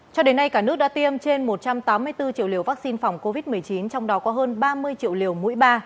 cho đến nay cả nước đã tiêm trên một trăm tám mươi bốn triệu liều vaccine phòng covid một mươi chín trong đó có hơn ba mươi triệu liều mũi ba